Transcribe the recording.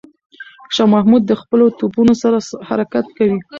شاه محمود د خپلو توپونو سره حرکت کوي.